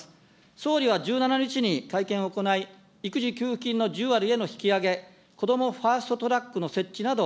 総理は１７日に会見を行い、育児給付金の１０割への引き上げ、こどもファースト・トラックの設置など、